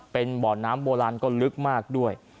เป็นบ่อน้ำโบราณก็ลึกมากด้วย